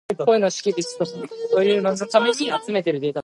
蜂の巣があんなに綺麗な六角形でできているなんて、自然の力はすごいなあ。